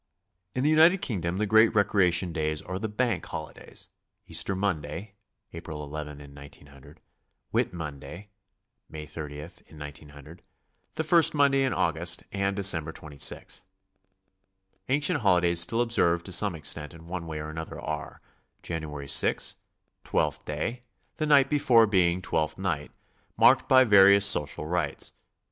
In the United Kingdom the great recreation days are the Bank Holidays, — Easter Monday (April ii in 1900), Whit monday (Aday 30 in JQOo), the first Monday in August, and December 26. Ancient holidays still observed to some ex tent in one way or another are: January 6, Twelfth Day, the night before being Twelfth Night, marked by various social rites.